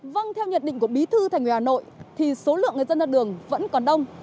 vâng theo nhận định của bí thư thành ủy hà nội thì số lượng người dân ra đường vẫn còn đông